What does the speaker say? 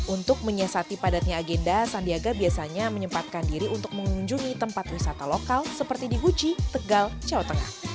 untuk menyiasati padatnya agenda sandiaga biasanya menyempatkan diri untuk mengunjungi tempat wisata lokal seperti di guci tegal jawa tengah